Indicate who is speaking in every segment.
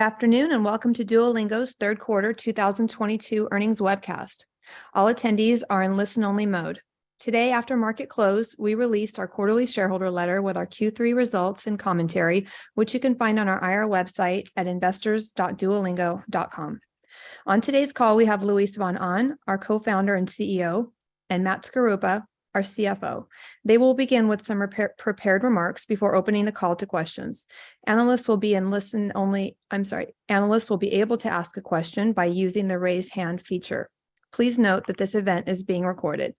Speaker 1: Afternoon and welcome to Duolingo's third quarter 2022 earnings webcast. All attendees are in listen-only mode. Today, after market close, we released our quarterly shareholder letter with our Q3 results and commentary, which you can find on our IR website at investors.duolingo.com. On today's call, we have Luis von Ahn, our co-founder and CEO, and Matt Skaruppa, our CFO. They will begin with some prepared remarks before opening the call to questions. Analysts will be able to ask a question by using the Raise Hand feature. Please note that this event is being recorded.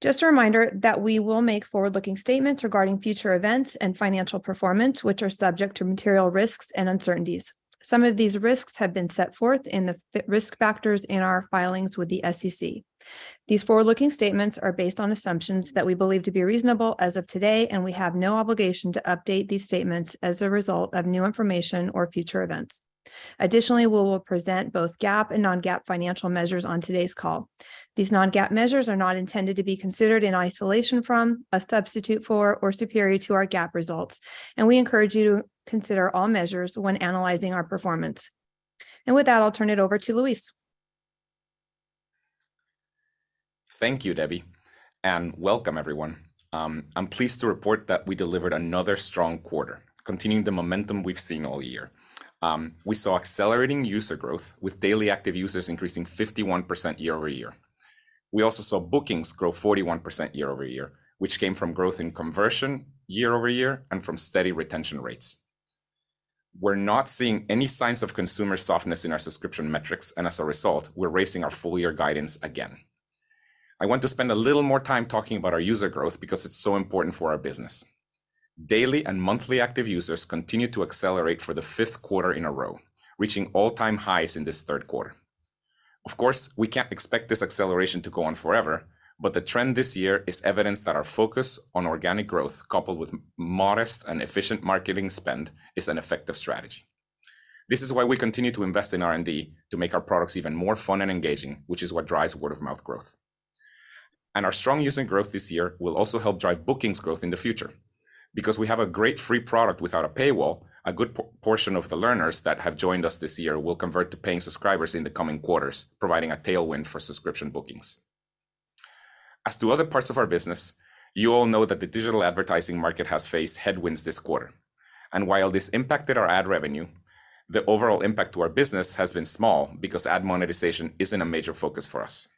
Speaker 1: Just a reminder that we will make forward-looking statements regarding future events and financial performance, which are subject to material risks and uncertainties. Some of these risks have been set forth in the risk factors in our filings with the SEC. These forward-looking statements are based on assumptions that we believe to be reasonable as of today, and we have no obligation to update these statements as a result of new information or future events. Additionally, we will present both GAAP and non-GAAP financial measures on today's call. These non-GAAP measures are not intended to be considered in isolation from, a substitute for, or superior to our GAAP results, and we encourage you to consider all measures when analyzing our performance. With that, I'll turn it over to Luis.
Speaker 2: Thank you, Debbie, and welcome everyone. I'm pleased to report that we delivered another strong quarter, continuing the momentum we've seen all year. We saw accelerating user growth, with daily active users increasing 51% year-over-year. We also saw bookings grow 41% year-over-year, which came from growth in conversion year-over-year and from steady retention rates. We're not seeing any signs of consumer softness in our subscription metrics, and as a result, we're raising our full year guidance again. I want to spend a little more time talking about our user growth because it's so important for our business. Daily and monthly active users continue to accelerate for the fifth quarter in a row, reaching all-time highs in this third quarter. Of course, we can't expect this acceleration to go on forever, but the trend this year is evidence that our focus on organic growth, coupled with modest and efficient marketing spend, is an effective strategy. This is why we continue to invest in R&D to make our products even more fun and engaging, which is what drives word-of-mouth growth. Our strong user growth this year will also help drive bookings growth in the future. Because we have a great free product without a paywall, a good portion of the learners that have joined us this year will convert to paying subscribers in the coming quarters, providing a tailwind for subscription bookings. As to other parts of our business, you all know that the digital advertising market has faced headwinds this quarter. While this impacted our ad revenue, the overall impact to our business has been small because ad monetization isn't a major focus for us.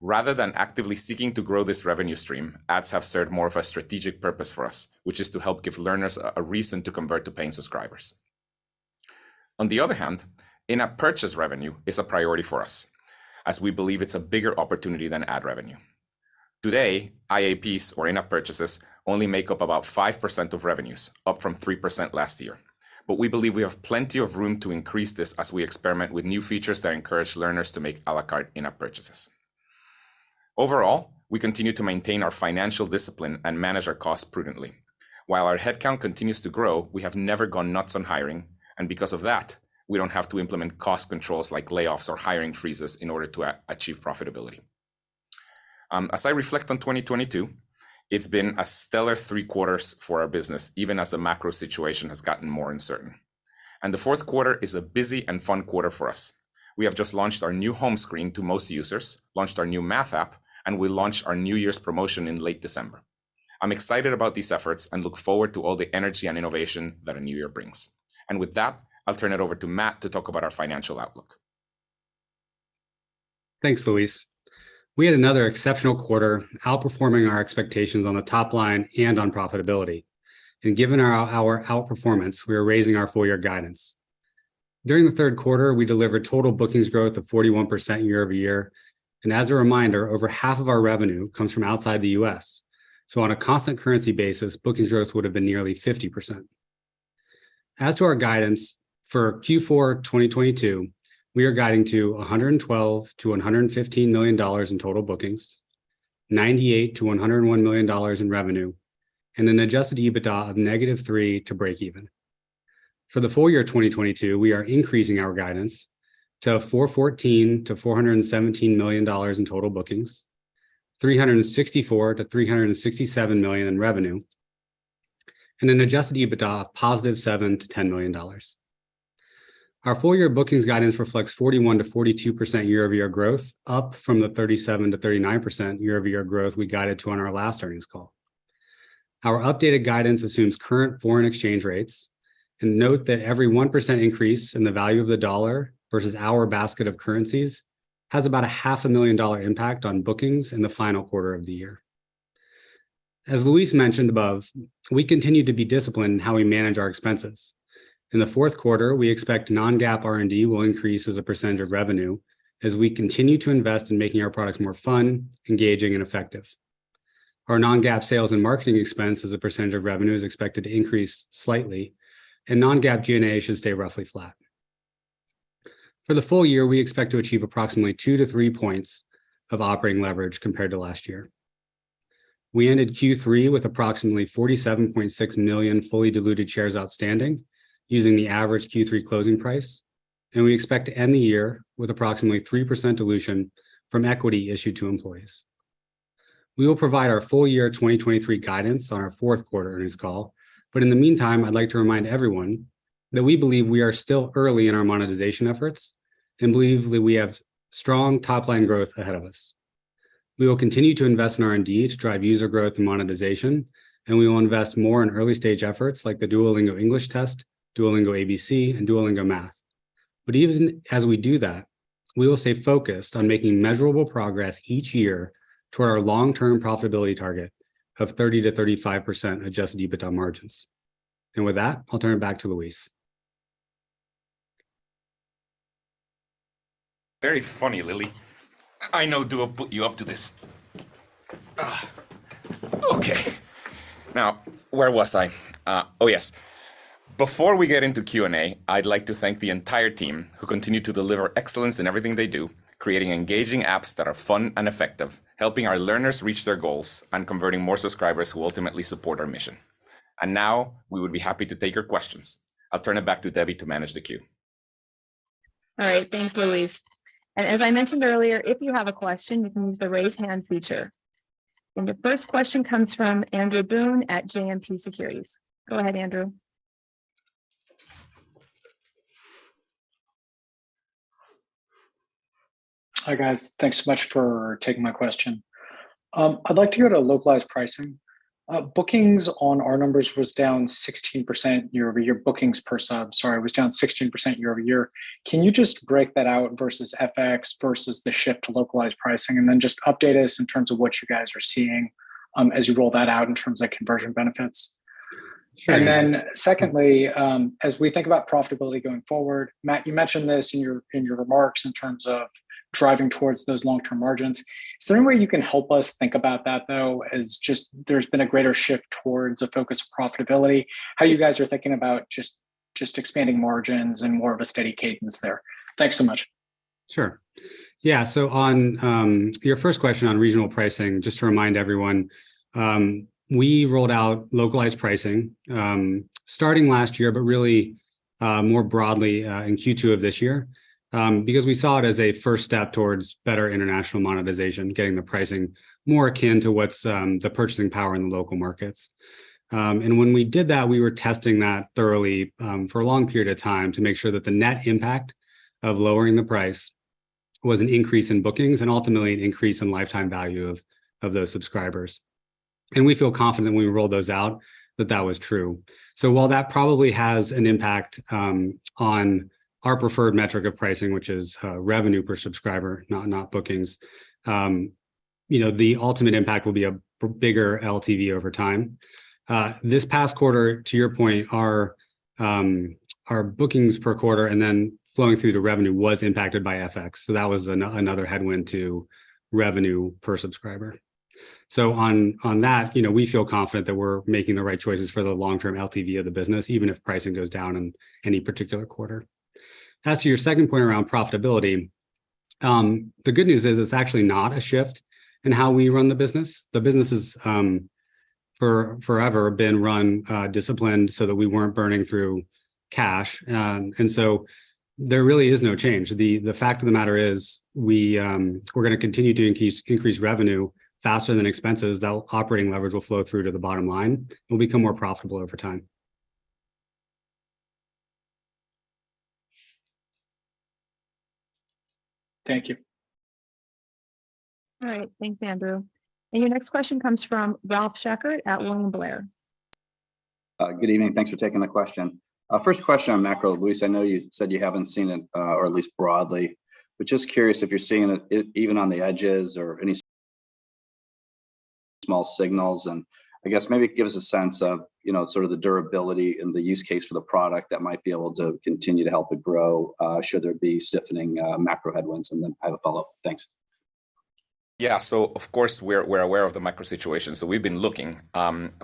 Speaker 2: Rather than actively seeking to grow this revenue stream, ads have served more of a strategic purpose for us, which is to help give learners a reason to convert to paying subscribers. On the other hand, in-app purchase revenue is a priority for us, as we believe it's a bigger opportunity than ad revenue. Today, IAPs, or in-app purchases, only make up about 5% of revenues, up from 3% last year. We believe we have plenty of room to increase this as we experiment with new features that encourage learners to make à la carte in-app purchases. Overall, we continue to maintain our financial discipline and manage our costs prudently. While our headcount continues to grow, we have never gone nuts on hiring, and because of that, we don't have to implement cost controls like layoffs or hiring freezes in order to achieve profitability. As I reflect on 2022, it's been a stellar three quarters for our business, even as the macro situation has gotten more uncertain. The fourth quarter is a busy and fun quarter for us. We have just launched our new home screen to most users, launched our new Math app, and we launch our New Year's promotion in late December. I'm excited about these efforts and look forward to all the energy and innovation that a new year brings. With that, I'll turn it over to Matt to talk about our financial outlook.
Speaker 3: Thanks, Luis. We had another exceptional quarter, outperforming our expectations on the top line and on profitability. Given our outperformance, we are raising our full year guidance. During the third quarter, we delivered total bookings growth of 41% year-over-year. As a reminder, over half of our revenue comes from outside the U.S., so on a constant currency basis, bookings growth would have been nearly 50%. As to our guidance, for Q4 2022, we are guiding to $112 million-$115 million in total bookings, $98 million-$101 million in revenue, and an adjusted EBITDA of negative $3 million to breakeven. For the full year 2022, we are increasing our guidance to $414 million-$417 million in total bookings, $364 million-$367 million in revenue, and an adjusted EBITDA of positive $7 million-$10 million. Our full year bookings guidance reflects 41%-42% year-over-year growth, up from the 37%-39% year-over-year growth we guided to on our last earnings call. Our updated guidance assumes current foreign exchange rates, and note that every 1% increase in the value of the dollar versus our basket of currencies has about $500,000 impact on bookings in the final quarter of the year. As Luis mentioned above, we continue to be disciplined in how we manage our expenses. In the fourth quarter, we expect non-GAAP R&D will increase as a percentage of revenue as we continue to invest in making our products more fun, engaging, and effective. Our non-GAAP sales and marketing expense as a percentage of revenue is expected to increase slightly, and non-GAAP G&A should stay roughly flat. For the full year, we expect to achieve approximately 2-3 points of operating leverage compared to last year. We ended Q3 with approximately 47.6 million fully diluted shares outstanding using the average Q3 closing price, and we expect to end the year with approximately 3% dilution from equity issued to employees. We will provide our full year 2023 guidance on our fourth quarter earnings call. In the meantime, I'd like to remind everyone that we believe we are still early in our monetization efforts and believe that we have strong top-line growth ahead of us. We will continue to invest in R&D to drive user growth and monetization, and we will invest more in early-stage efforts like the Duolingo English Test, Duolingo ABC, and Duolingo Math. Even as we do that, we will stay focused on making measurable progress each year toward our long-term profitability target of 30%-35% adjusted EBITDA margins. With that, I'll turn it back to Luis.
Speaker 2: Very funny, Lily. I know Duo put you up to this. Okay. Now, where was I? Oh, yes, before we get into Q&A, I'd like to thank the entire team who continue to deliver excellence in everything they do, creating engaging apps that are fun and effective, helping our learners reach their goals, and converting more subscribers who ultimately support our mission. Now, we would be happy to take your questions. I'll turn it back to Debbie to manage the queue.
Speaker 1: All right. Thanks, Luis. As I mentioned earlier, if you have a question, you can use the Raise Hand feature. The first question comes from Andrew Boone at JMP Securities. Go ahead, Andrew.
Speaker 4: Hi, guys. Thanks so much for taking my question. I'd like to go to localized pricing. Bookings on our numbers was down 16% year-over-year. Bookings per sub, sorry, was down 16% year-over-year. Can you just break that out versus FX versus the shift to localized pricing, and then just update us in terms of what you guys are seeing as you roll that out in terms of conversion benefits? Secondly, as we think about profitability going forward, Matt, you mentioned this in your remarks in terms of driving towards those long-term margins. Is there any way you can help us think about that, though, as just there's been a greater shift towards a focus on profitability, how you guys are thinking about just expanding margins and more of a steady cadence there? Thanks so much.
Speaker 3: Sure. Yeah. On your first question on regional pricing, just to remind everyone, we rolled out localized pricing starting last year, but really more broadly in Q2 of this year, because we saw it as a first step towards better international monetization, getting the pricing more akin to what's the purchasing power in the local markets. When we did that, we were testing that thoroughly for a long period of time to make sure that the net impact of lowering the price was an increase in bookings and ultimately an increase in lifetime value of those subscribers. We feel confident when we rolled those out that that was true. While that probably has an impact on our preferred metric of pricing, which is revenue per subscriber, not bookings, you know, the ultimate impact will be a bigger LTV over time. This past quarter, to your point, our bookings per quarter and then flowing through to revenue was impacted by FX, so that was another headwind to revenue per subscriber. On that, you know, we feel confident that we're making the right choices for the long-term LTV of the business, even if pricing goes down in any particular quarter. As to your second point around profitability, the good news is it's actually not a shift in how we run the business. The business has forever been run disciplined so that we weren't burning through cash. There really is no change. The fact of the matter is we're going to continue to increase revenue faster than expenses. That operating leverage will flow through to the bottom line. We'll become more profitable over time.
Speaker 4: Thank you.
Speaker 1: All right. Thanks, Andrew. Your next question comes from Ralph Schackart at William Blair.
Speaker 5: Good evening. Thanks for taking the question. First question on macro, Luis, I know you said you haven't seen it or at least broadly, but just curious if you're seeing it even on the edges or any small signals, and I guess maybe give us a sense of, you know, sort of the durability and the use case for the product that might be able to continue to help it grow should there be stiffening macro headwinds, and then I have a follow-up. Thanks.
Speaker 2: Yeah. Of course, we're aware of the macro situation, so we've been looking.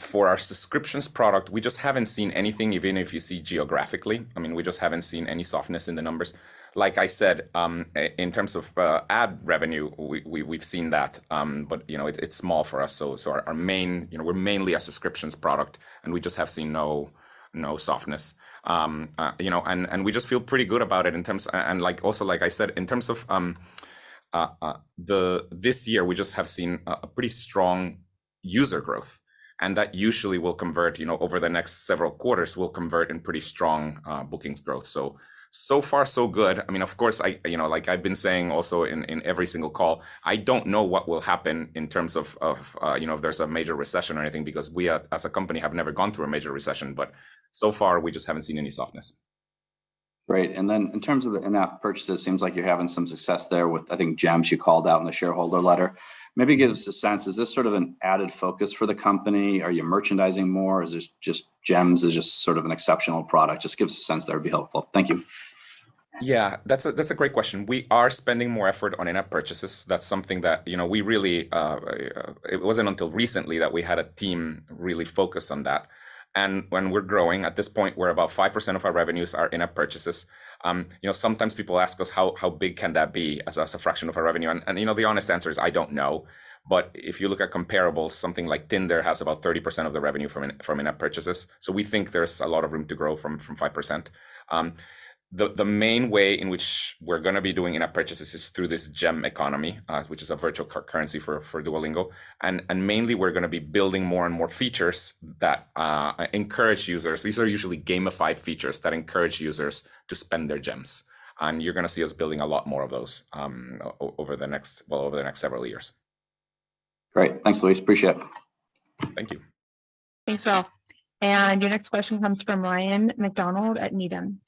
Speaker 2: For our subscriptions product, we just haven't seen anything, even if you see geographically. I mean, we just haven't seen any softness in the numbers. Like I said, in terms of ad revenue, we've seen that, but you know, it's small for us. Our main, you know, we're mainly a subscriptions product, and we just have seen no softness. You know, we just feel pretty good about it in terms. Like, also, like I said, in terms of this year, we just have seen a pretty strong user growth, and that usually will convert, you know, over the next several quarters, will convert in pretty strong bookings growth. So far so good. I mean, of course, I you know, like I've been saying also in every single call, I don't know what will happen in terms of you know, if there's a major recession or anything because we as a company have never gone through a major recession. So far, we just haven't seen any softness.
Speaker 5: Great. In terms of the in-app purchases, seems like you're having some success there with, I think, Gems you called out in the shareholder letter. Maybe give us a sense, is this sort of an added focus for the company? Are you merchandising more? Is this just Gems is just sort of an exceptional product? Just give us a sense there would be helpful. Thank you.
Speaker 2: Yeah. That's a great question. We are spending more effort on in-app purchases. That's something that, you know, we really, it wasn't until recently that we had a team really focused on that. When we're growing, at this point, we're about 5% of our revenues are in-app purchases. You know, sometimes people ask us how big can that be as a fraction of our revenue, and, you know, the honest answer is I don't know. If you look at comparables, something like Tinder has about 30% of their revenue from in-app purchases. We think there's a lot of room to grow from 5%. The main way in which we're going to be doing in-app purchases is through this Gems economy, which is a virtual currency for Duolingo. Mainly we're going to be building more and more features that encourage users. These are usually gamified features that encourage users to spend their Gems, and you're going to see us building a lot more of those over the next several years.
Speaker 5: Great. Thanks, Luis. Appreciate it.
Speaker 2: Thank you.
Speaker 1: Thanks, Will. Your next question comes from Ryan MacDonald at Needham.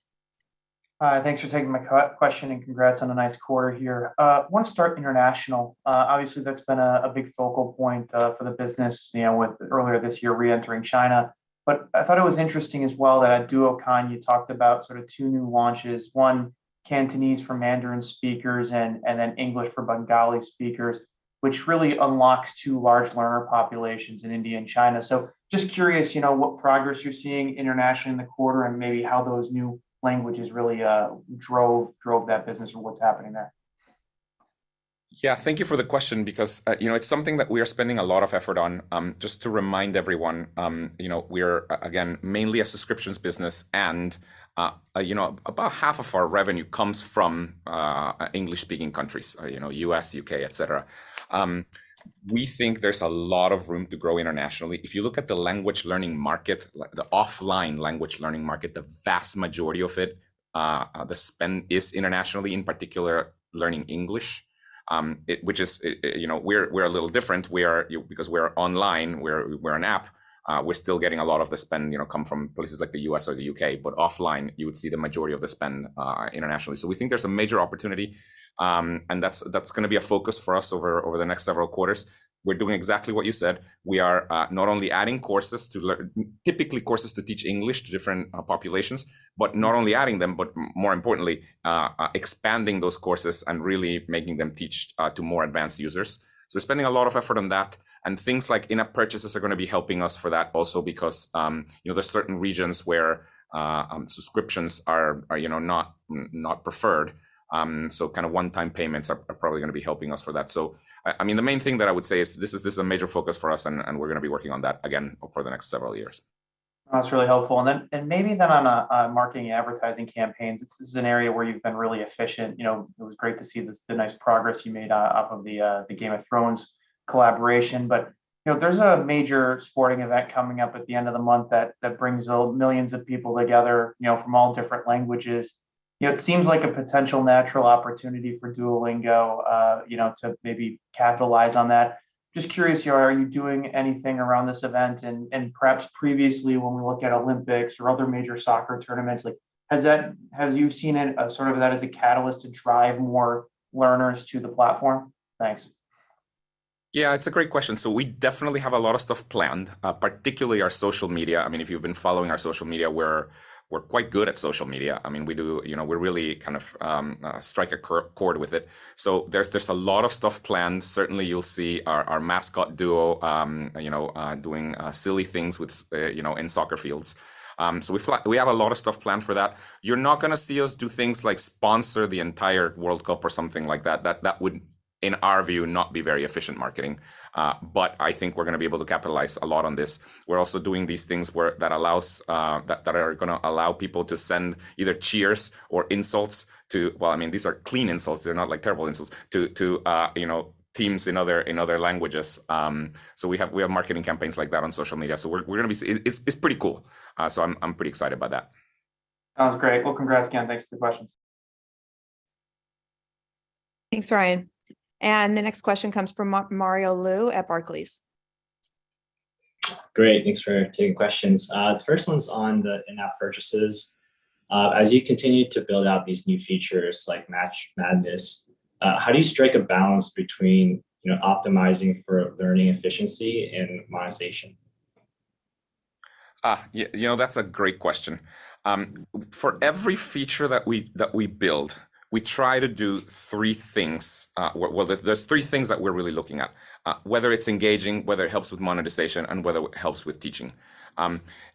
Speaker 6: Thanks for taking my question, and congrats on a nice quarter here. I wanna start international. Obviously that's been a big focal point for the business, you know, with earlier this year re-entering China. But I thought it was interesting as well that at Duocon you talked about sort of two new launches, one Cantonese for Mandarin speakers and then English for Bengali speakers, which really unlocks two large learner populations in India and China. Just curious, you know, what progress you're seeing internationally in the quarter, and maybe how those new languages really drove that business or what's happening there.
Speaker 2: Yeah, thank you for the question because, you know, it's something that we are spending a lot of effort on. Just to remind everyone, you know, we're again mainly a subscriptions business, and, you know, about half of our revenue comes from English-speaking countries, you know, U.S., U.K., et cetera. We think there's a lot of room to grow internationally. If you look at the language learning market, like the offline language learning market, the vast majority of it, the spend is internationally, in particular learning English. Which is, you know, we're a little different. We're too, because we're online, we're an app, we're still getting a lot of the spend, you know, come from places like the U.S. or the U.K., but offline, you would see the majority of the spend internationally. We think there's a major opportunity, and that's going to be a focus for us over the next several quarters. We're doing exactly what you said. We are not only adding courses, typically courses to teach English to different populations, but not only adding them, but more importantly, expanding those courses and really making them teach to more advanced users. We're spending a lot of effort on that, and things like in-app purchases are going to be helping us for that also because, you know, there's certain regions where subscriptions are, you know, not preferred. Kinda one-time payments are probably going to be helping us for that. I mean, the main thing that I would say is this is a major focus for us, and we're going to be working on that again over the next several years.
Speaker 6: That's really helpful. Then maybe on marketing advertising campaigns, this is an area where you've been really efficient. You know, it was great to see the nice progress you made off of the Game of Thrones collaboration. You know, there's a major sporting event coming up at the end of the month that brings millions of people together, you know, from all different languages. You know, it seems like a potential natural opportunity for Duolingo, you know, to maybe capitalize on that. Just curious, are you doing anything around this event? Perhaps previously when we look at Olympics or other major soccer tournaments, like, have you seen it as sort of a catalyst to drive more learners to the platform? Thanks.
Speaker 2: Yeah, it's a great question. We definitely have a lot of stuff planned, particularly our social media. I mean, if you've been following our social media, we're quite good at social media. I mean, we do, you know, we really kind of strike a chord with it. There's a lot of stuff planned. Certainly you'll see our mascot Duo, you know, doing silly things with, you know, in soccer fields. We have a lot of stuff planned for that. You're not going to see us do things like sponsor the entire World Cup or something like that. That would, in our view, not be very efficient marketing. I think we're going to be able to capitalize a lot on this. We're also doing these things where that allows that are going to allow people to send either cheers or insults to. Well, I mean, these are clean insults, they're not like terrible insults, to you know, teams in other languages. We have marketing campaigns like that on social media. We're going to be. It's pretty cool. I'm pretty excited about that.
Speaker 6: Sounds great. Well, congrats again. Thanks for the questions.
Speaker 1: Thanks, Ryan. The next question comes from Mario Lu at Barclays.
Speaker 7: Great, thanks for taking questions. The first one's on the in-app purchases. As you continue to build out these new features like Match Madness, how do you strike a balance between, you know, optimizing for learning efficiency and monetization?
Speaker 2: You know, that's a great question. For every feature that we build, we try to do three things. Well, there's three things that we're really looking at. Whether it's engaging, whether it helps with monetization, and whether it helps with teaching.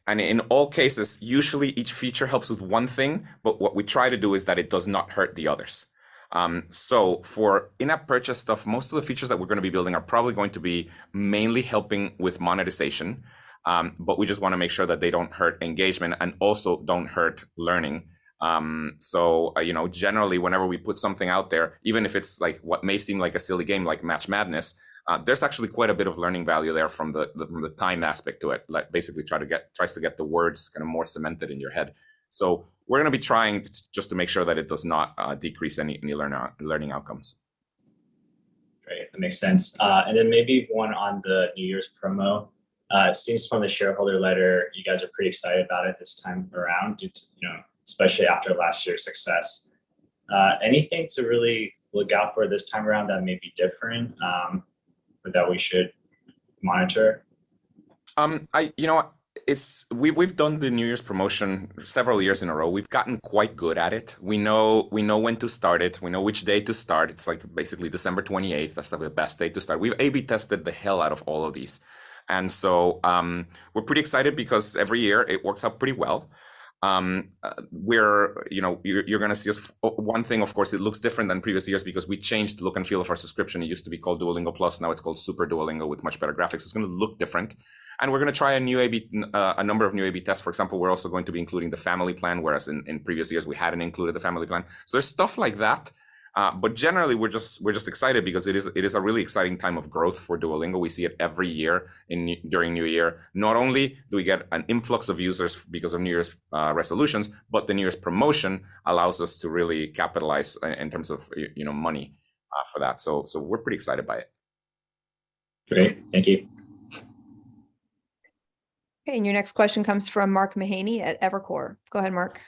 Speaker 2: In all cases, usually each feature helps with one thing, but what we try to do is that it does not hurt the others. For in-app purchase stuff, most of the features that we're going to be building are probably going to be mainly helping with monetization, but we just wanna make sure that they don't hurt engagement and also don't hurt learning. You know, generally, whenever we put something out there, even if it's like what may seem like a silly game like Match Madness, there's actually quite a bit of learning value there from the time aspect to it. Like, basically tries to get the words kinda more cemented in your head. We're going to be trying just to make sure that it does not decrease any learning outcomes.
Speaker 7: Great. That makes sense. Maybe one on the New Year's promo. It seems from the shareholder letter, you guys are pretty excited about it this time around, it's, you know, especially after last year's success. Anything to really look out for this time around that may be different, but that we should monitor?
Speaker 2: You know, we've done the New Year's promotion several years in a row. We've gotten quite good at it. We know when to start it. We know which day to start. It's like basically December 28th. That's like the best day to start. We've A/B tested the hell out of all of these. We're pretty excited because every year it works out pretty well. You know, you're going to see us for one thing, of course, it looks different than previous years because we changed the look and feel of our subscription. It used to be called Duolingo Plus, now it's called Super Duolingo with much better graphics. It's going to look different. We're going to try a number of new A/B tests. For example, we're also going to be including the Family Plan, whereas in previous years we hadn't included the Family Plan. There's stuff like that. Generally we're just excited because it is a really exciting time of growth for Duolingo. We see it every year during New Year. Not only do we get an influx of users because of New Year's resolutions, but the New Year's promotion allows us to really capitalize in terms of, you know, money for that. We're pretty excited by it.
Speaker 7: Great. Thank you.
Speaker 1: Your next question comes from Mark Mahaney at Evercore. Go ahead, Mark.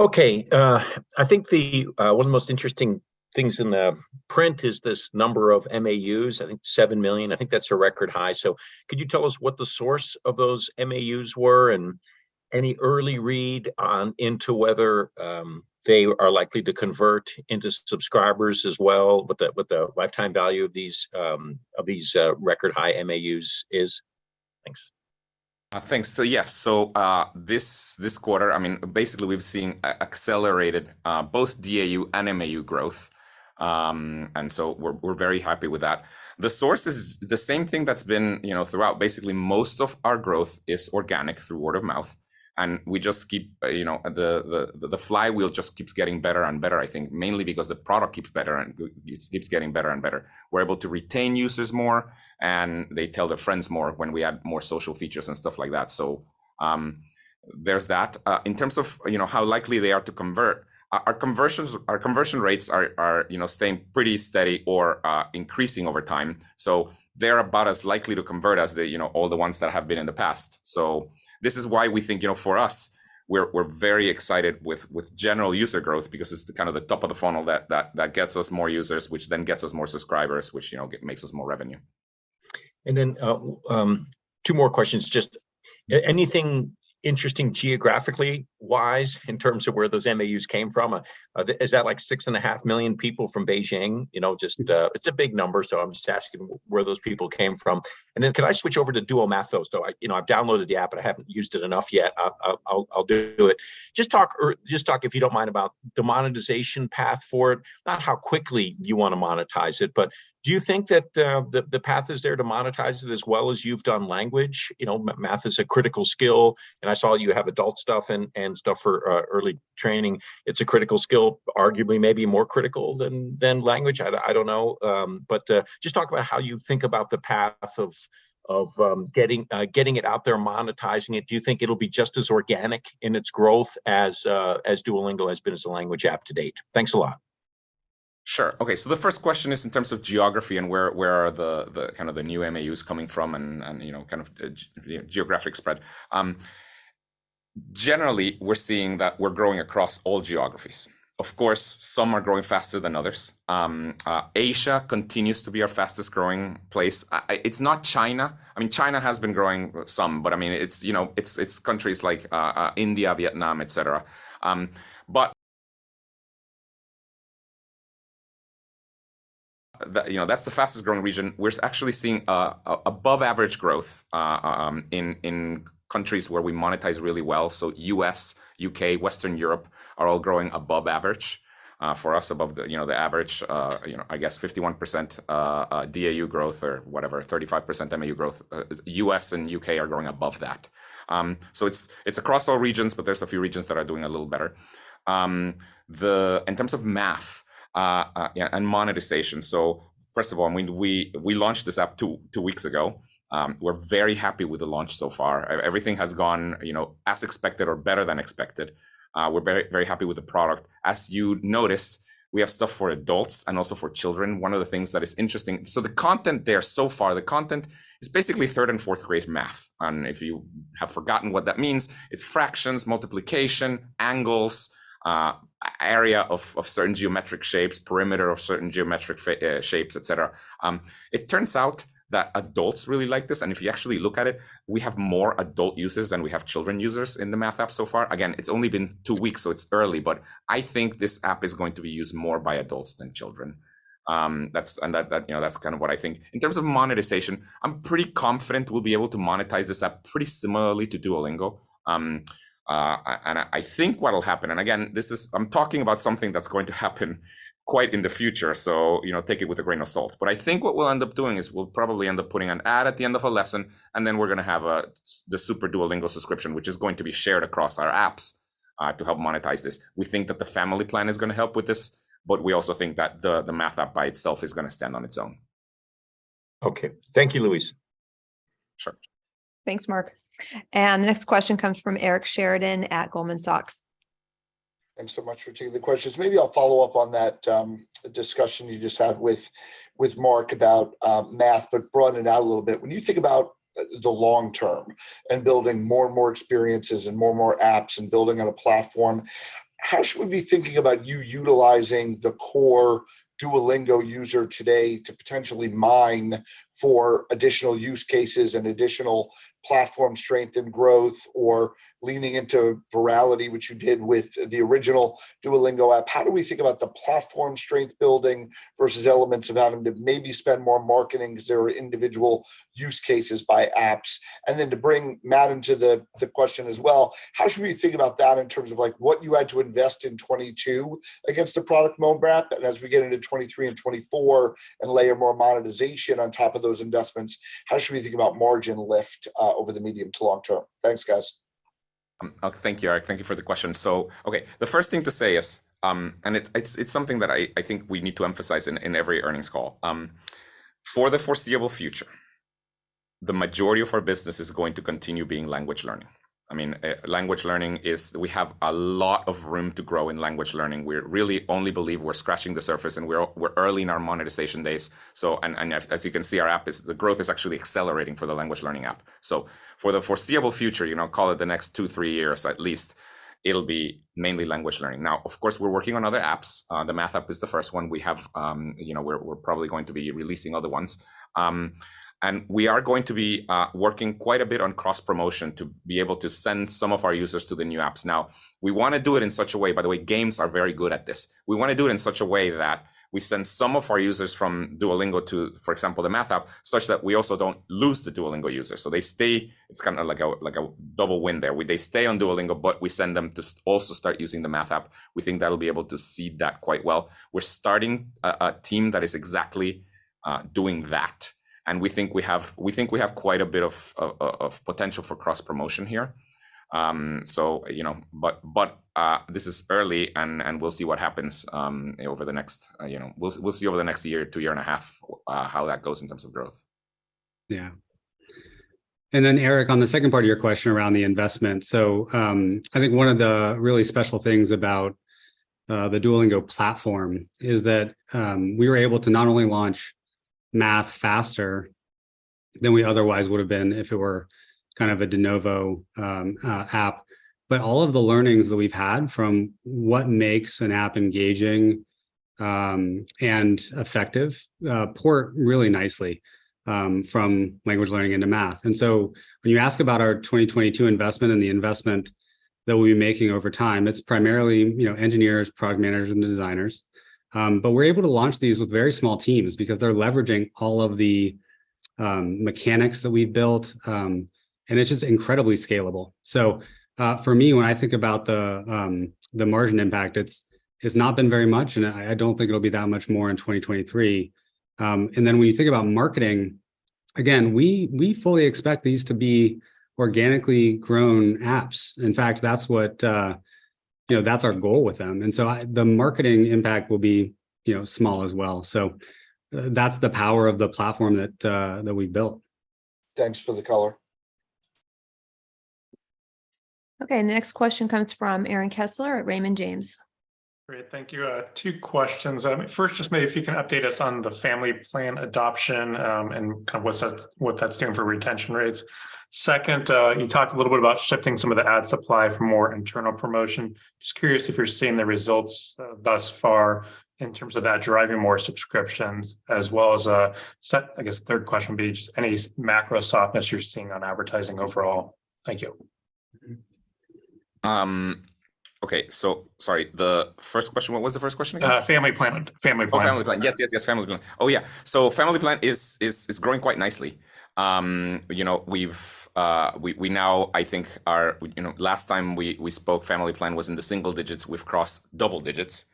Speaker 8: Okay. I think the one of the most interesting things in the print is this number of MAUs, I think 7 million. I think that's a record high. Could you tell us what the source of those MAUs were, and any early read on into whether they are likely to convert into subscribers as well, what the lifetime value of these record high MAUs is? Thanks.
Speaker 2: Thanks. Yes, this quarter, I mean, basically we've seen accelerated both DAU and MAU growth. We're very happy with that. The source is the same thing that's been, you know, throughout basically most of our growth is organic through word of mouth, and we just keep, you know, the flywheel just keeps getting better and better, I think, mainly because the product keeps better, and it keeps getting better and better. We're able to retain users more, and they tell their friends more when we add more social features and stuff like that. There's that. In terms of, you know, how likely they are to convert, our conversions, our conversion rates are, you know, staying pretty steady or increasing over time. They're about as likely to convert as the, you know, all the ones that have been in the past. This is why we think, you know, for us, we're very excited with general user growth because it's the kind of the top of the funnel that gets us more users, which then gets us more subscribers, which, you know, makes us more revenue.
Speaker 8: Two more questions. Just anything interesting geographically wise in terms of where those MAUs came from? Is that like 6.5 million people from Beijing? You know, just, it's a big number, so I'm just asking where those people came from. Could I switch over to Duo Math though? You know, I've downloaded the app, but I haven't used it enough yet. I'll do it. Just talk, if you don't mind, about the monetization path for it, not how quickly you wanna monetize it, but do you think that the path is there to monetize it as well as you've done language? You know, Math is a critical skill and I saw you have adult stuff and stuff for early training. It's a critical skill, arguably maybe more critical than language. I don't know. Just talk about how you think about the path of getting it out there, monetizing it. Do you think it'll be just as organic in its growth as Duolingo has been as a language app to date? Thanks a lot.
Speaker 2: Sure. Okay. The first question is in terms of geography and where the kind of new MAUs are coming from and, you know, geographic spread. Generally we're seeing that we're growing across all geographies. Of course, some are growing faster than others. Asia continues to be our fastest-growing place. It's not China. I mean, China has been growing some, but I mean, it's, you know, it's countries like India, Vietnam, et cetera. You know, that's the fastest growing region. We're actually seeing above average growth in countries where we monetize really well. U.S., U.K., Western Europe are all growing above average for us, above the average, you know, I guess 51% DAU growth or whatever, 35% MAU growth. U.S. and U.K. are growing above that. It's across all regions, but there's a few regions that are doing a little better. In terms of Math and monetization. First of all, I mean, we launched this app two weeks ago. We're very happy with the launch so far. Everything has gone, you know, as expected or better than expected. We're very happy with the product. As you noticed, we have stuff for adults and also for children. One of the things that is interesting, the content there so far, the content is basically third and fourth-grade Math, and if you have forgotten what that means, it's fractions, multiplication, angles, area of certain geometric shapes, perimeter of certain geometric shapes, et cetera. It turns out that adults really like this, and if you actually look at it, we have more adult users than we have children users in the Math app so far. Again, it's only been two weeks, it's early, but I think this app is going to be used more by adults than children. That's, you know, that's kind of what I think. In terms of monetization, I'm pretty confident we'll be able to monetize this app pretty similarly to Duolingo. I think what'll happen, and again, this is, I'm talking about something that's going to happen quite in the future, so, you know, take it with a grain of salt. I think what we'll end up doing is we'll probably end up putting an ad at the end of a lesson, and then we're going to have a, the Super Duolingo subscription, which is going to be shared across our apps, to help monetize this. We think that the Family Plan is going to help with this, but we also think that the Math app by itself is going to stand on its own.
Speaker 8: Okay. Thank you, Luis.
Speaker 2: Sure.
Speaker 1: Thanks, Mark. The next question comes from Eric Sheridan at Goldman Sachs.
Speaker 9: Thanks so much for taking the questions. Maybe I'll follow up on that discussion you just had with Mark about Math, but broaden it out a little bit. When you think about the long term and building more and more experiences and more and more apps and building on a platform, how should we be thinking about you utilizing the core Duolingo user today to potentially mine for additional use cases and additional platform strength and growth, or leaning into virality, which you did with the original Duolingo app? How do we think about the platform strength building versus elements of having to maybe spend more marketing 'cause there are individual use cases by apps? To bring Matt into the question as well, how should we think about that in terms of, like, what you had to invest in 2022 against a product roadmap, and as we get into 2023 and 2024 and layer more monetization on top of those investments, how should we think about margin lift over the medium to long term? Thanks, guys.
Speaker 2: Thank you, Eric. Thank you for the question. Okay, the first thing to say is, and it's something that I think we need to emphasize in every earnings call. For the foreseeable future, the majority of our business is going to continue being language learning. I mean, language learning is. We have a lot of room to grow in language learning. We really only believe we're scratching the surface, and we're early in our monetization days. And as you can see, the growth is actually accelerating for the language learning app. For the foreseeable future, you know, call it the next 2, 3 years at least, it'll be mainly language learning. Now, of course, we're working on other apps. The Math app is the first one. We have, you know. We're probably going to be releasing other ones. We are going to be working quite a bit on cross-promotion to be able to send some of our users to the new apps. Now, we wanna do it in such a way, by the way, games are very good at this. We wanna do it in such a way that we send some of our users from Duolingo to, for example, the Math app, such that we also don't lose the Duolingo users, so they stay. It's kinda like a double win there, where they stay on Duolingo, but we send them to also start using the Math app. We think that'll be able to seed that quite well. We're starting a team that is exactly doing that, and we think we have quite a bit of potential for cross-promotion here. You know, this is early. We'll see what happens over the next year, 2.5 years, how that goes in terms of growth.
Speaker 3: Yeah. Eric, on the second part of your question around the investment, I think one of the really special things about the Duolingo platform is that we were able to not only launch Math faster than we otherwise would've been if it were kind of a de novo app, but all of the learnings that we've had from what makes an app engaging and effective port really nicely from language learning into Math. When you ask about our 2022 investment and the investment that we'll be making over time, it's primarily, you know, engineers, product managers, and designers. We're able to launch these with very small teams because they're leveraging all of the mechanics that we've built, and it's just incredibly scalable. For me, when I think about the margin impact, it's not been very much, and I don't think it'll be that much more in 2023. When you think about marketing, again, we fully expect these to be organically grown apps. In fact, that's what you know, that's our goal with them. The marketing impact will be, you know, small as well. That's the power of the platform that we've built.
Speaker 9: Thanks for the color.
Speaker 1: Okay. Next question comes from Aaron Kessler at Raymond James.
Speaker 10: Great. Thank you. Two questions. First just maybe if you can update us on the Family Plan adoption, and kind of what that's doing for retention rates. Second, you talked a little bit about shifting some of the ad supply for more internal promotion. Just curious if you're seeing the results, thus far in terms of that driving more subscriptions as well as, I guess third question would be just any macro softness you're seeing on advertising overall. Thank you.
Speaker 2: Okay, sorry. The first question, what was the first question again?
Speaker 10: Family Plan.
Speaker 2: Oh, Family Plan. Yes. Family Plan. Oh, yeah. Family Plan is growing quite nicely. You know, we've now, I think, you know, last time we spoke, Family Plan was in the single digits. We've crossed double digits.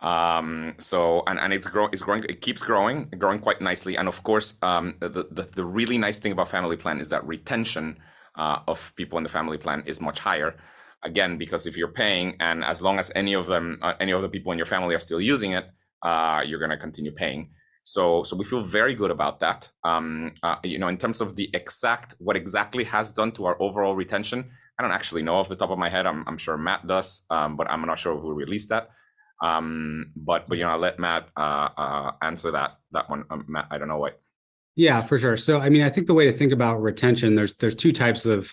Speaker 2: And it's growing, it keeps growing quite nicely. Of course, the really nice thing about Family Plan is that retention of people in the Family Plan is much higher, again, because if you're paying, and as long as any of the people in your family are still using it, you're going to continue paying. We feel very good about that. You know, in terms of the exact, what exactly has done to our overall retention, I don't actually know off the top of my head. I'm sure Matt does, but I'm not sure who released that. You know, I'll let Matt answer that one. Matt, I don't know why.
Speaker 3: Yeah, for sure. I mean, I think the way to think about retention, there's two types of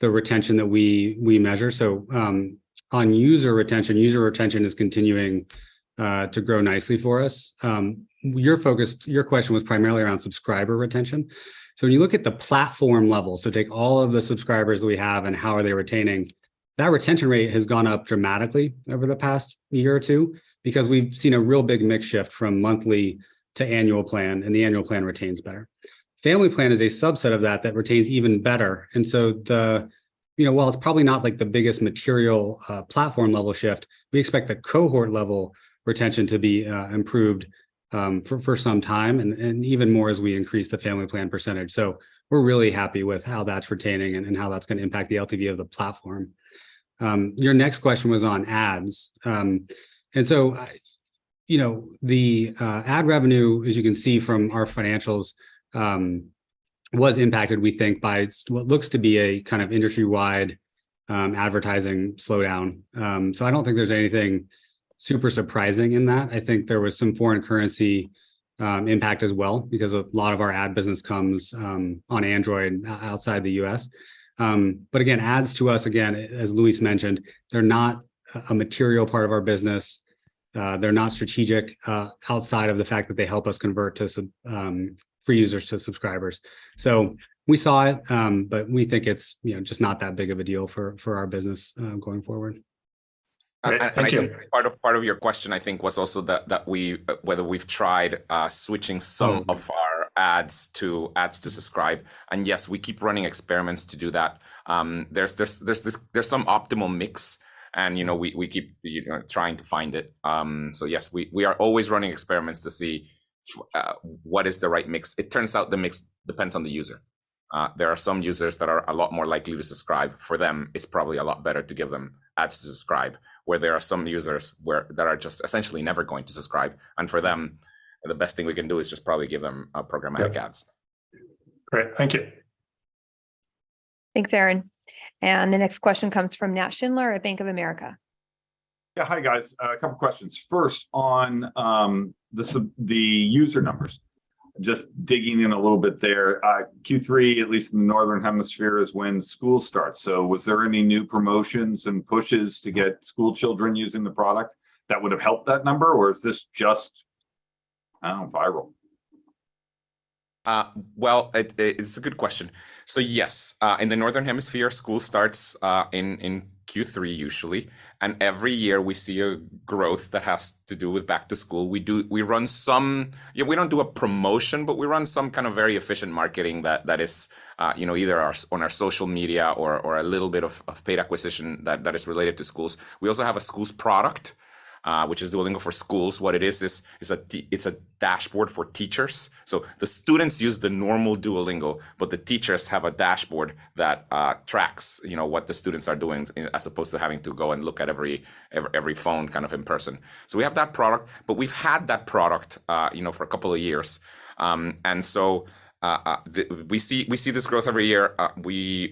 Speaker 3: the retention that we measure. On user retention, user retention is continuing to grow nicely for us. Your focus, your question was primarily around subscriber retention. When you look at the platform level, so take all of the subscribers we have and how are they retaining, that retention rate has gone up dramatically over the past year or two because we've seen a real big mix shift from monthly to annual plan, and the annual plan retains better. Family Plan is a subset of that that retains even better, and the, you know, while it's probably not, like, the biggest material platform level shift, we expect the cohort level retention to be improved for some time and even more as we increase the Family Plan percentage. We're really happy with how that's retaining and how that's going to impact the LTV of the platform. Your next question was on ads. You know, the ad revenue, as you can see from our financials, was impacted, we think, by what looks to be a kind of industry-wide advertising slowdown. I don't think there's anything super surprising in that. I think there was some foreign currency impact as well because a lot of our ad business comes on Android outside the U.S. Again, ads to us, again, as Luis mentioned, they're not a material part of our business. They're not strategic, outside of the fact that they help us convert free users to subscribers. We saw it, but we think it's, you know, just not that big of a deal for our business going forward.
Speaker 10: Great. Thank you.
Speaker 2: I think part of your question, I think, was also that we whether we've tried switching some of our ads to subscribe. Yes, we keep running experiments to do that. There's some optimal mix, you know, we keep trying to find it. Yes, we are always running experiments to see what is the right mix. It turns out the mix depends on the user. There are some users that are a lot more likely to subscribe. For them, it's probably a lot better to give them ads to subscribe, whereas there are some users that are just essentially never going to subscribe, and for them, the best thing we can do is just probably give them a prompt ahead of ads.
Speaker 10: Yeah. Great. Thank you.
Speaker 1: Thanks, Aaron. The next question comes from Nat Schindler at Bank of America.
Speaker 11: Yeah, hi, guys. A couple questions. First, on the user numbers, just digging in a little bit there. Q3, at least in the Northern Hemisphere, is when school starts. Was there any new promotions and pushes to get school children using the product that would have helped that number, or is this just, I don't know, viral?
Speaker 2: Well, it's a good question. Yes, in the Northern Hemisphere, school starts in Q3 usually, and every year we see a growth that has to do with back to school. We run some. Yeah, we don't do a promotion, but we run some kind of very efficient marketing that is, you know, either on our social media or a little bit of paid acquisition that is related to schools. We also have a schools product, which is Duolingo for Schools. What it is it's a dashboard for teachers. The students use the normal Duolingo, but the teachers have a dashboard that tracks, you know, what the students are doing as opposed to having to go and look at every phone kind of in person. We have that product, but we've had that product, you know, for a couple of years. We see this growth every year.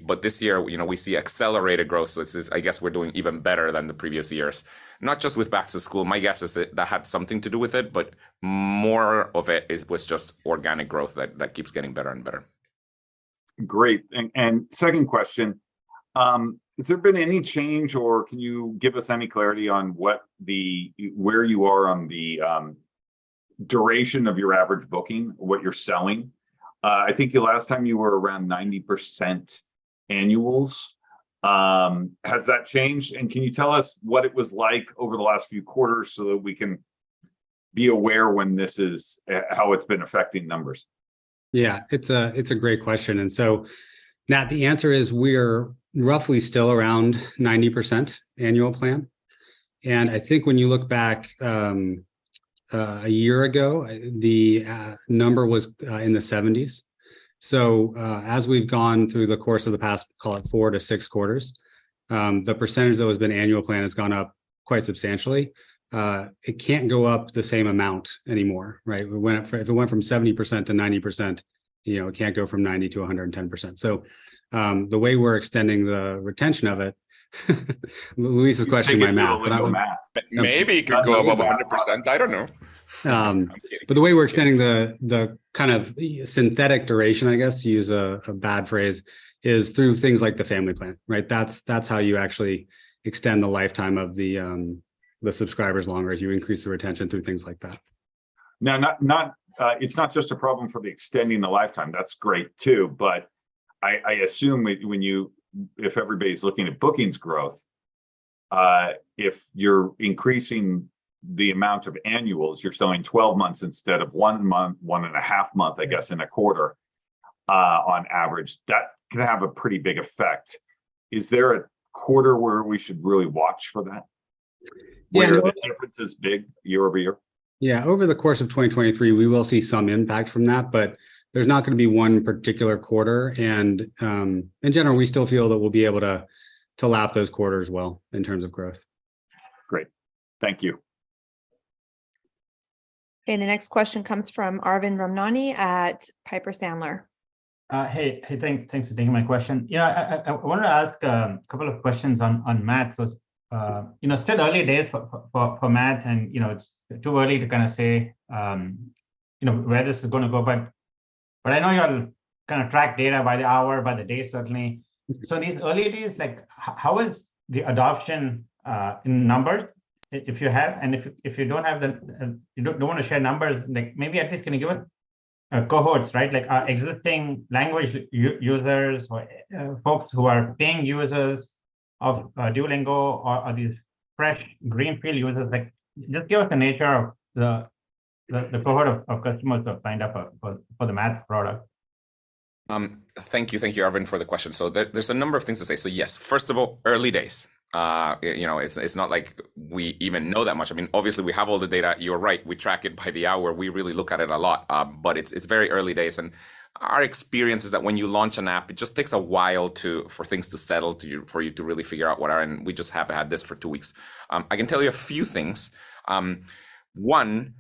Speaker 2: But this year, you know, we see accelerated growth. It is, I guess we're doing even better than the previous years, not just with back to school. My guess is that had something to do with it, but more of it was just organic growth that keeps getting better and better.
Speaker 11: Great. Second question, has there been any change, or can you give us any clarity on where you are on the duration of your average booking, what you're selling? I think the last time you were around 90% annuals. Has that changed? Can you tell us what it was like over the last few quarters so that we can be aware when this is how it's been affecting numbers?
Speaker 3: Yeah, it's a great question. Nat, the answer is we're roughly still around 90% annual plan. I think when you look back a year ago, the number was in the 70s. As we've gone through the course of the past, call it four to six quarters, the percentage that has been annual plan has gone up quite substantially. It can't go up the same amount anymore, right? If it went from 70% to 90%, you know, it can't go from 90% to 110%. The way we're extending the retention of it, Luis is questioning my Math.
Speaker 2: Maybe it could go above 100%. I don't know. I'm kidding.
Speaker 3: The way we're extending the kind of synthetic duration, I guess, to use a bad phrase, is through things like the Family Plan, right? That's how you actually extend the lifetime of the subscribers longer, is you increase the retention through things like that.
Speaker 11: No, not it's not just a problem for extending the lifetime. That's great too, but I assume when you if everybody's looking at bookings growth, if you're increasing the amount of annuals, you're selling 12 months instead of one month, one and a half month, I guess, in a quarter, on average, that can have a pretty big effect. Is there a quarter where we should really watch for that?
Speaker 3: Yeah, look.
Speaker 11: Where the difference is big year-over-year.
Speaker 3: Yeah, over the course of 2023, we will see some impact from that, but there's not going to be one particular quarter. In general, we still feel that we'll be able to lap those quarters well in terms of growth.
Speaker 11: Great. Thank you.
Speaker 1: The next question comes from Arvind Ramnani at Piper Sandler.
Speaker 12: Hey, thanks for taking my question. You know, I wanted to ask a couple of questions on Math. It's you know, still early days for Math and you know, it's too early to kinda say you know, where this is going to go. I know you all kinda track data by the hour, by the day, certainly. In these early days, like how is the adoption in numbers, if you have? If you don't wanna share numbers, like, maybe at least can you give us cohorts, right? Like existing language users or folks who are paying users of Duolingo or these fresh greenfield users. Like, just give us the nature of the cohort of customers that have signed up for the Math product.
Speaker 2: Thank you. Thank you, Arvind, for the question. There's a number of things to say. Yes, first of all, early days. You know, it's not like we even know that much. I mean, obviously we have all the data. You're right, we track it by the hour. We really look at it a lot. It's very early days, and our experience is that when you launch an app, it just takes a while for things to settle, for you to really figure out what are. We just have had this for two weeks. I can tell you a few things. One,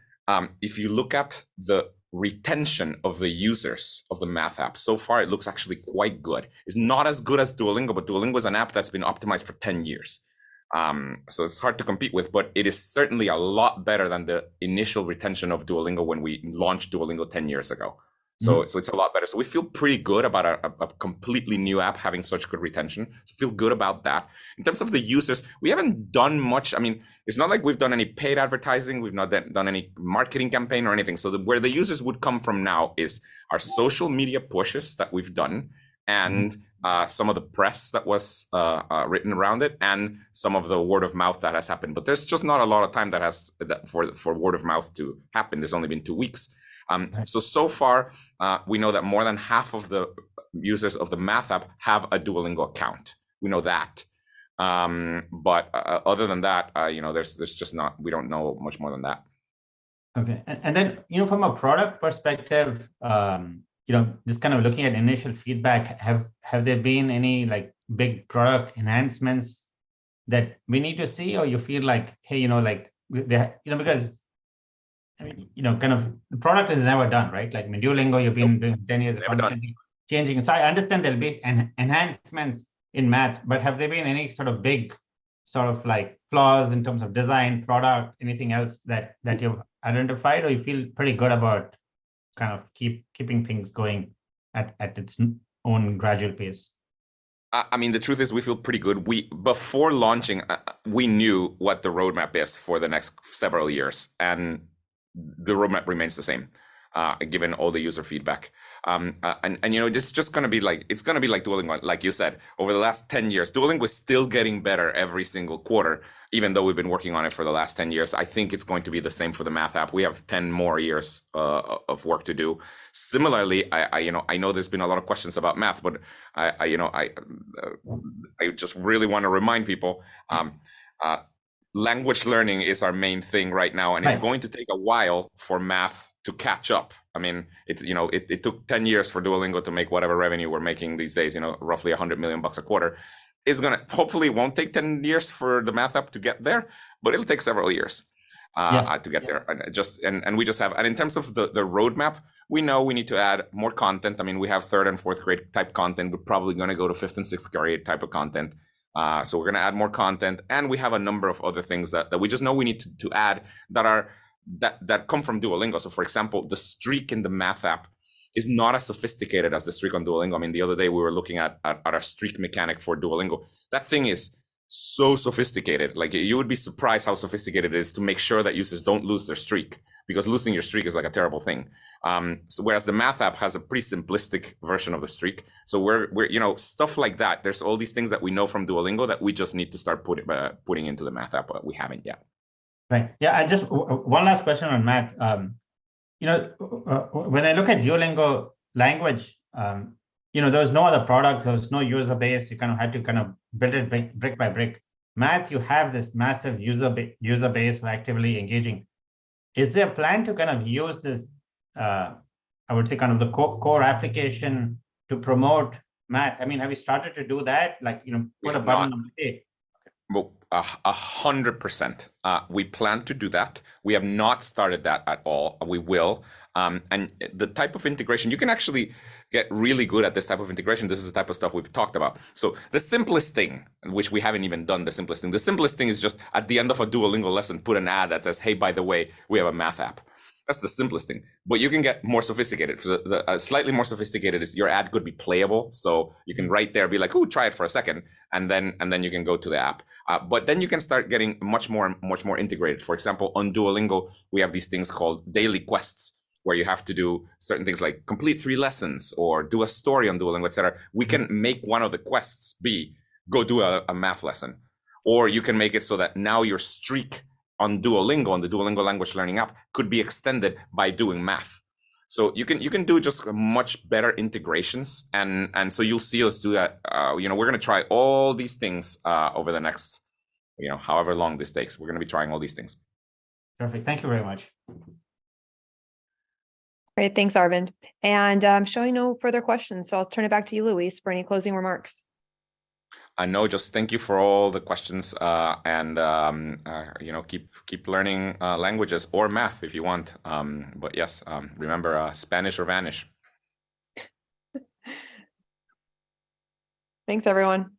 Speaker 2: if you look at the retention of the users of the Math app, so far it looks actually quite good. It's not as good as Duolingo, but Duolingo is an app that's been optimized for 10 years. It's hard to compete with, but it is certainly a lot better than the initial retention of Duolingo when we launched Duolingo 10 years ago. It's a lot better. We feel pretty good about a completely new app having such good retention, so feel good about that. In terms of the users, we haven't done much. I mean, it's not like we've done any paid advertising. We've not done any marketing campaign or anything. Where the users would come from now is our social media pushes that we've done and some of the press that was written around it and some of the word of mouth that has happened. There's just not a lot of time that has for word of mouth to happen. There's only been 2 weeks. So far, we know that more than half of the users of the Math app have a Duolingo account. We know that. Other than that, you know, there's just not. We don't know much more than that.
Speaker 12: Okay. Then, you know, from a product perspective, you know, just kind of looking at initial feedback, have there been any, like, big product enhancements that we need to see or you feel like, hey, you know, like, you know, because, I mean, you know, kind of the product is never done, right? Like with Duolingo, you've been doing 10 years.
Speaker 2: Never done.
Speaker 12: I understand there'll be enhancements in Math, but have there been any sort of big sort of like flaws in terms of design, product, anything else that you've identified, or you feel pretty good about kind of keeping things going at its own gradual pace?
Speaker 2: I mean, the truth is we feel pretty good. Before launching, we knew what the roadmap is for the next several years, and the roadmap remains the same, given all the user feedback. You know, this is just going to be like, it's going to be like Duolingo, like you said. Over the last 10 years, Duolingo is still getting better every single quarter, even though we've been working on it for the last 10 years. I think it's going to be the same for the Math app. We have 10 more years of work to do. Similarly, you know, I know there's been a lot of questions about Math, but you know, I just really wanna remind people, language learning is our main thing right now.
Speaker 12: Right.
Speaker 2: It's going to take a while for Math to catch up. I mean, you know, it took 10 years for Duolingo to make whatever revenue we're making these days, you know, roughly $100 million a quarter. Hopefully, it won't take 10 years for the Math app to get there, but it'll take several years to get there. In terms of the roadmap, we know we need to add more content. I mean, we have third and fourth grade type content. We're probably going to go to fifth and sixth grade type of content. We're going to add more content, and we have a number of other things that we just know we need to add that come from Duolingo. For example, the streak in the Math app is not as sophisticated as the streak on Duolingo. I mean, the other day we were looking at our streak mechanic for Duolingo. That thing is so sophisticated. Like, you would be surprised how sophisticated it is to make sure that users don't lose their streak, because losing your streak is, like, a terrible thing. Whereas the Math app has a pretty simplistic version of the streak. We're you know, stuff like that. There's all these things that we know from Duolingo that we just need to start putting into the Math app, but we haven't yet.
Speaker 12: Right. Yeah. Just one last question on Math. You know, when I look at Duolingo language, you know, there was no other product, there was no user base. You kind of had to kind of build it brick by brick. Math, you have this massive user base actively engaging. Is there a plan to kind of use this, I would say kind of the core application to promote Math? I mean, have you started to do that? Like, you know, put a button on it.
Speaker 2: We have not. 100% we plan to do that. We have not started that at all, and we will. The type of integration. You can actually get really good at this type of integration. This is the type of stuff we've talked about. The simplest thing, which we haven't even done, is just at the end of a Duolingo lesson, put an ad that says, "Hey, by the way, we have a Math app." That's the simplest thing. You can get more sophisticated. The slightly more sophisticated is your ad could be playable. You can right there be like, "Ooh, try it for a second," and then you can go to the app. Then you can start getting much more integrated. For example, on Duolingo, we have these things called Daily Quests, where you have to do certain things like complete three lessons or do a story on Duolingo, et cetera. We can make one of the quests be, "Go do a Math lesson." Or you can make it so that now your streak on Duolingo, on the Duolingo language learning app, could be extended by doing Math. So you can do just much better integrations and so you'll see us do that. You know, we're going to try all these things over the next, you know, however long this takes. We're going to be trying all these things.
Speaker 12: Perfect. Thank you very much.
Speaker 1: Great. Thanks, Arvind. I'm showing no further questions, so I'll turn it back to you, Luis, for any closing remarks.
Speaker 2: No, just thank you for all the questions. You know, keep learning languages or Math if you want. Yes, remember Spanish or vanish.
Speaker 1: Thanks, everyone.